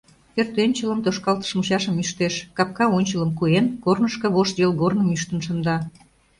Пӧртӧнчылым, тошкалтыш мучашым ӱштеш, капка ончылым куэн, корнышко вошт йолгорным ӱштын шында.